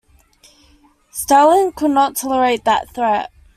Stalin could not tolerate that threat.